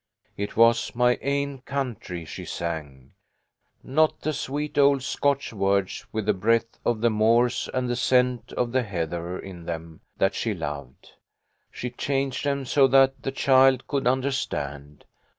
It was " My Ain Countrie " she sang. Not the sweet old Scotch words, with the breath of the moors and the scent of the heather in them, that she loved. She changed them so that the child could understand.